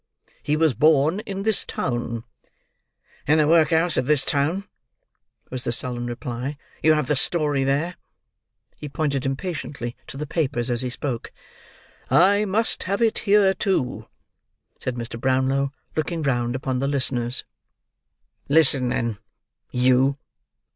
He was born in this town." "In the workhouse of this town," was the sullen reply. "You have the story there." He pointed impatiently to the papers as he spoke. "I must have it here, too," said Mr. Brownlow, looking round upon the listeners. "Listen then! You!"